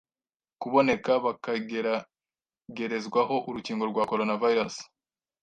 kuboneka bakageragerezwaho urukingo rwa Coronavirus